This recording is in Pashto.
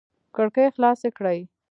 کړکۍ خلاص کړئ